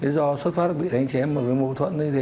do xuất phát bị đánh chém với mối thuẫn như thế